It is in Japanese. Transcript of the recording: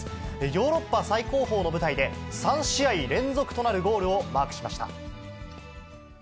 ヨーロッパ最高峰の舞台で、３試合連続となるゴールをマークしました。